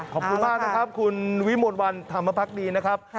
ขอบคุณมากนะครับคุณวิมลวันธรรมพักดีนะครับ